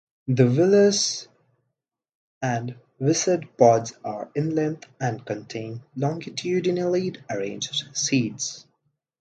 The villous and viscid pods are in length and contain longitudinally arranged seeds.